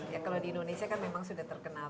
ya kalau di indonesia kan memang sudah terkenal